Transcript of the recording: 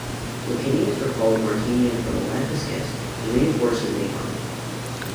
Licinius recalled Martinian from Lampsacus to reinforce his main army.